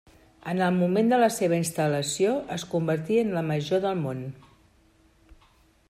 En el moment de la seva instal·lació es convertí en la major del món.